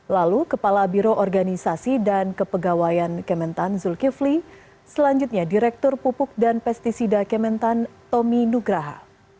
lalu kepala biro organisasi dan kepegawaian kementan zulkifli selanjutnya direktur pupuk dan pesticida kementan tommy nugraha